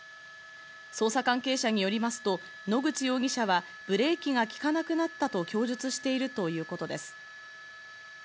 捜査関係者によりますと野口容疑者は、ブレーキが利かなくなったと供述しているということです。